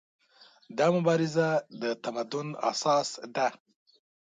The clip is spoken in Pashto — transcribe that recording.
دا مبارزه د تمدن اساس ده.